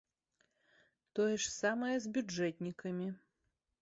Тое ж самае з бюджэтнікамі.